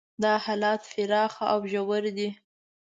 دا حالات پراخ او ژور دي.